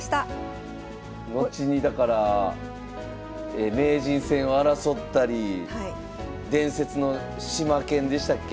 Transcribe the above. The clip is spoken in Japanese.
後にだから名人戦を争ったり伝説の島研でしたっけ？